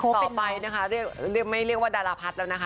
ต่อไปนะคะไม่เรียกว่าดาราพัฒน์แล้วนะคะ